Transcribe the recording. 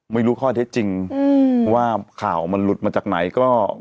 ไม่รู้ข้อเท็จจริงว่าข่าวมันหลุดมาจากไหนก็